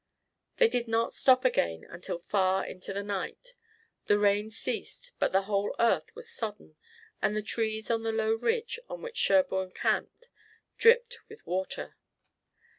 They did not stop again until far in the night. The rain ceased, but the whole earth was sodden and the trees on the low ridge, on which Sherburne camped, dripped with water.